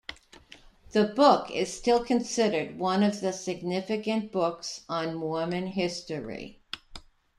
The book is still considered one of the significant books on Mormon history.